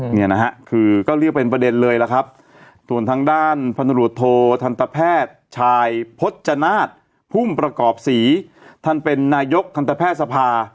เนี่ยนะฮะคือก็เรียกเป็นประเด็นเลยล่ะครับส่วนทางด้านพันธุรกิจโททันตแพทย์ชายพจนาศพุ่มประกอบศรีท่านเป็นนายกทันตแพทย์สภา